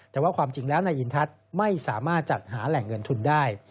แต่ว่าความจริงแล้วนายอินทัศน์ไม่สามารถจัดหาแหล่งเงินทุนได้